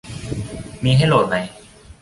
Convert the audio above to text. มีให้โหลดไหม